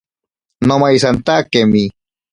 Nomaisatakemi.